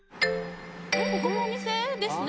ここもお店ですね。